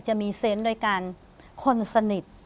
จะมีเซนต์โดยการคนสนิท